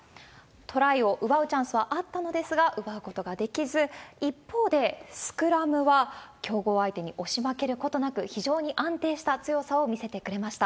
トライを奪うチャンスはあったのですが、奪うことができず、一方で、スクラムは強豪相手に押し負けることなく非常に安定した強さを見せてくれました。